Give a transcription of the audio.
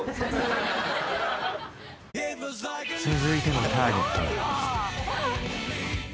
続いてのターゲットは。